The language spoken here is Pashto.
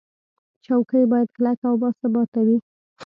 چوکۍ باید کلکه او باثباته وي.